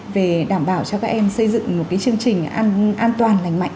về đảm bảo cho các em xây dựng một cái chương trình an toàn lành mạnh